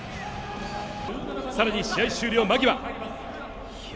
更に試合終了間際。